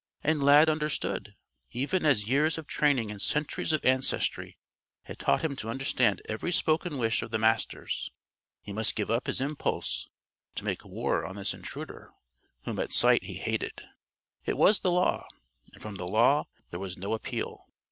And Lad understood even as years of training and centuries of ancestry had taught him to understand every spoken wish of the Master's. He must give up his impulse to make war on this intruder whom at sight he hated. It was the Law; and from the Law there was no appeal.